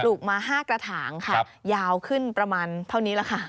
มา๕กระถางค่ะยาวขึ้นประมาณเท่านี้แหละค่ะ